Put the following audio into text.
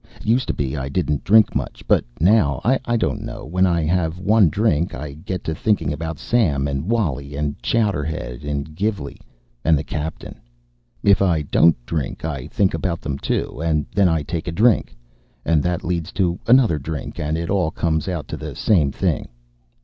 Used to be I didn't drink much, but now, I don't know, when I have one drink, I get to thinking about Sam and Wally and Chowderhead and Gilvey and the captain. If I don't drink, I think about them, too, and then I take a drink. And that leads to another drink, and it all comes out to the same thing.